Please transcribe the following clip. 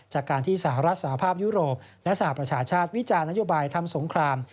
จากการที่สหรัฐสหภาพยุโรปและสหประชาชาติวิจารณโยบายทำสงคราม